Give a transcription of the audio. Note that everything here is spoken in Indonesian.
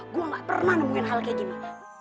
gue gak pernah nemuin hal kayak gini